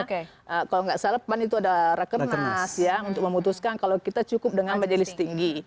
kalau nggak salah pan itu ada rekenas ya untuk memutuskan kalau kita cukup dengan majelis tinggi